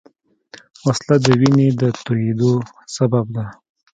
وسله د وینې د تویېدو سبب ده